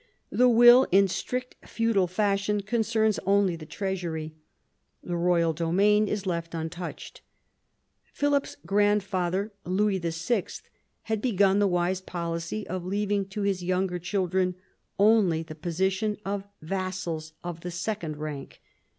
The will, in strict feudal fashion, concerns only the treasury. The royal domain is left untouched. Philip's grandfather, Louis VI., had begun the wise policy of leaving to his younger children only the position of vassals of the second rank.